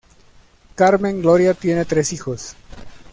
Carmen Gloria tiene tres hijos.